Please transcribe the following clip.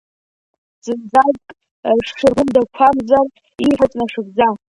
Зынӡаск шәшәыргәындақәамзар, ииҳәаз нашәыгӡа!